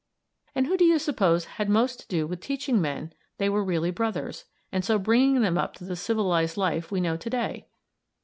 And who do you suppose had most to do with teaching men they were really brothers, and so bringing them up to the civilized life we know to day?